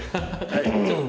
はい。